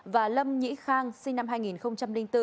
và lâm nhĩ khang sinh năm hai nghìn bốn